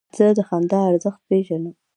زه د خندا ارزښت پېژنم.